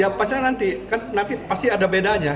ya pasti nanti kan nanti pasti ada bedanya